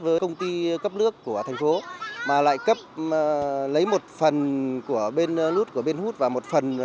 với công ty cấp nước của thành phố mà lại cấp lấy một phần của bên nút của bên hút và một phần